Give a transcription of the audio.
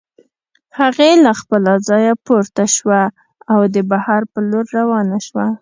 هغې له خپله ځايه پورته شوه او د بهر په لور روانه شوه.